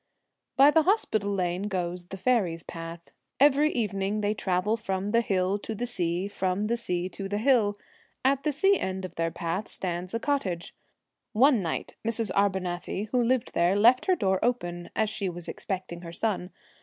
By the Hospital Lane goes the ' Faeries Path.' Every evening they travel from the hill to the sea, from the sea to the hill. At the sea end of their path stands a cot tage. One night Mrs. Arbunathy, who lived there, left her door open, as she was expecting her son.